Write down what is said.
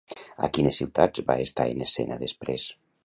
A quines ciutats va estar en escena després?